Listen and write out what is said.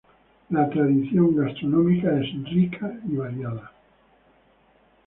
La tradición gastronómica es rica y variada.